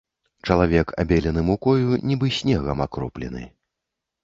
Чалавек абелены мукою, нібы снегам акроплены.